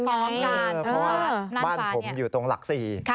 เพราะว่าบ้านผมอยู่ตรงหลัก๔